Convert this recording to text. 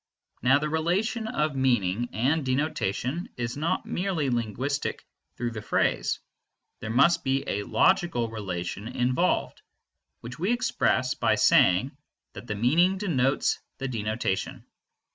Now the relation of meaning and denotation is not merely linguistic through the phrase: there must be a logical relation involved, which we express by saying that the meaning denotes the denotation.